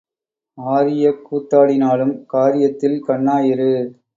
ஆரியக் கூத்தாடினாலும் காரியத்தில் கண்ணாயிரு.